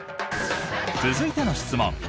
続いての質問